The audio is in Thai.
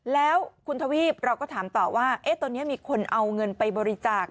แล้วคุณทวีปเราก็ถามต่อว่าตอนนี้มีคนเอาเงินไปบริจาค